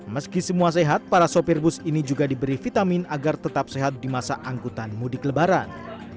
meski semua sehat para sopir bus ini juga diberi vitamin agar tetap sehat di masa angkutan mudik lebaran